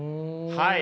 はい。